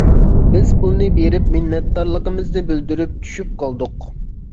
بىز پۇلنى بېرىپ، مىننەتدارلىقىمىزنى بىلدۈرۈپ چۈشۈپ قالدۇق.